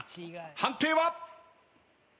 判定は？